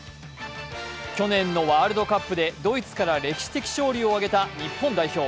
去年のワールドカップでドイツから歴史的勝利を挙げた日本代表。